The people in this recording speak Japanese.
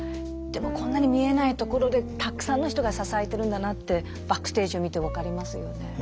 でもこんなに見えない所でたくさんの人が支えてるんだなってバックステージを見て分かりますよね。